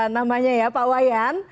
namanya ya pak wayan